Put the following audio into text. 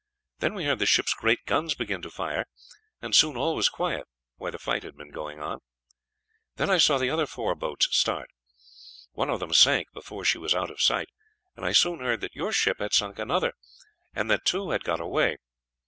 Then we heard the ship's great guns begin to fire, and soon all was quiet where the fight had been going on. Then I saw the other four boats start. One of them sank before she was out of sight, and I soon heard that your ship had sunk another, and that two had got away.